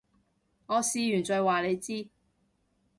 我試完再話你知